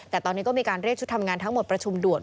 แต่ตอนนี้ก็มีการเรียกชุดทำงานทั้งหมดประชุมด่วน